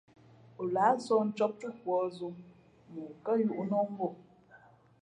O lāh sɔ̌h ncǒp túkwa zō mα ǒ kάyūʼ nā o mbū o.